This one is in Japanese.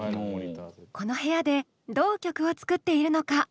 この部屋でどう曲を作っているのか？